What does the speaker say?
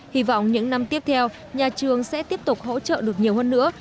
hy vọng những năm tiếp theo nhà trường sẽ tiếp tục hỗ trợ được nhiều hơn nữa